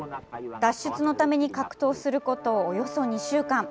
脱出のために格闘することおよそ２週間。